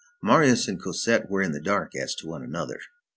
Marius and Cosette were in the dark as to one another.